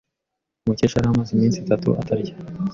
Mukesha yari amaze iminsi itatu atarya.